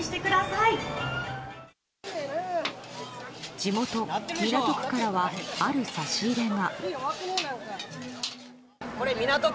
地元・港区からはある差し入れが。